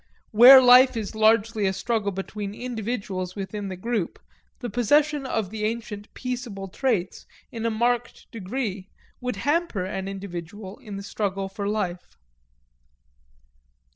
Where life is largely a struggle between individuals within the group, the possession of the ancient peaceable traits in a marked degree would hamper an individual in the struggle for life.